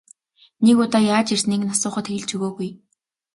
Нэг удаа яаж ирснийг нь асуухад хэлж өгөөгүй.